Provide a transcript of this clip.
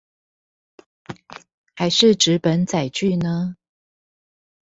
還是紙本載具呢